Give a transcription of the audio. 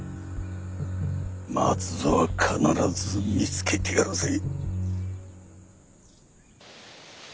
松蔵は必ず見つけてやるぜ。